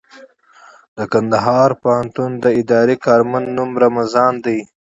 د کندهار پوهنتون د اداري کارمند نوم رمضان دئ.